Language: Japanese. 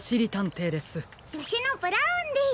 じょしゅのブラウンです。